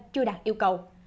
chưa đạt yêu cầu